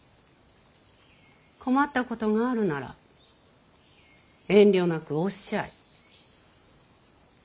困ったことがあるなら遠慮なくおっしゃい。